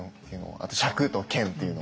あと尺と間っていうの。